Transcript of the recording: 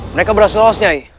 mereka beras lawasnya i